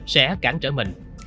sẽ cản trở mình